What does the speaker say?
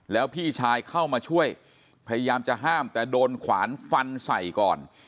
แล้วพี่ชายเข้ามาช่วยพยายามจะห้ามแต่โดนขวานฟันใส่ก่อน